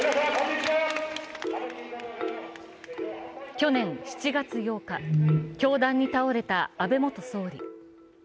去年７月８日、凶弾に倒れた安倍元総理。